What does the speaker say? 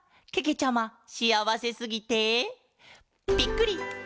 けけちゃましあわせすぎて「ぴっくり！